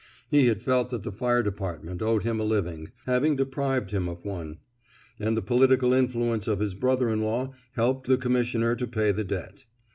He had felt that the fire department owed him a living, having deprived him of one; and the political influence of his brother in law helped the commissioner to pay the debt.